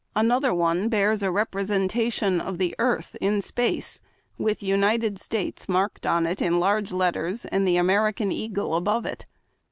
'' Another one bears a representation of the earth in space, with " United States " marked on it in large letters, and the American eas^le above it.